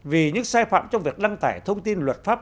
vì những sai phạm trong việc đăng tải thông tin luật pháp